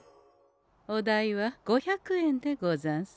お代は５００円でござんす。